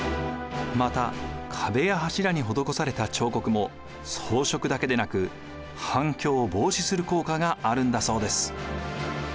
また壁や柱に施された彫刻も装飾だけでなく反響を防止する効果があるんだそうです。